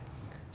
chất lượng gạch